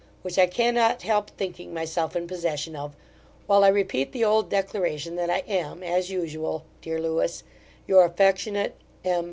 which I cannot help thinking myself in possession of, while I repeat the old declaration, that I am, as usual, Dear Lewis, Your affectionate M.